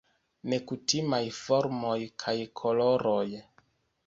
Nekutimaj formoj kaj koloroj.